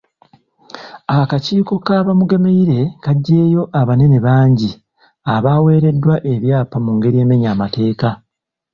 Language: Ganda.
Akakiiko ka Bamugemereire kaggyeeyo abanene bangi abaweereddwa ebyapa mu ngeri emenya amateeka.